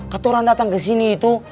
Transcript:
kata orang datang kesini itu